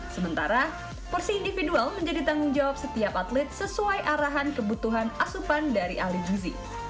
sementara porsi individual menjadi tanggung jawab setiap atlet sesuai arahan kebutuhan asupan dari ahli gizi